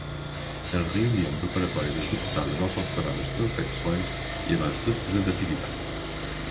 A reunião preparatória das deputadas autodeclaradas transexuais e avanços da representatividade